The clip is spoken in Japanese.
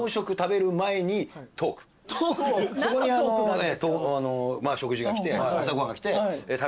そこに食事が来て朝ご飯が来て。